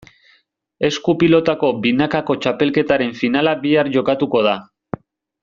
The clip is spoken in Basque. Esku-pilotako binakako txapelketaren finala bihar jokatuko da.